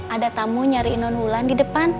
ada tamu nyariin non hulan di depan